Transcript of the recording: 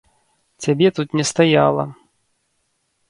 Цябе тут не стаяла.